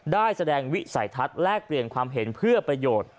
ได้แสดงวิสัยทัศน์แลกเปลี่ยนความเห็นเพื่อประโยชน์